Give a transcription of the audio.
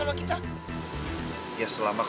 yang anggota anggotanya juga pasti kayak gitu juga